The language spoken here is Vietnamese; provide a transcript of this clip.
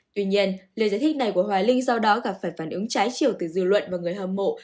tuy nhiên lời giải thích này của hoài linh do đó gặp phải phản ứng trái chiều từ dư luận và người hâm mộ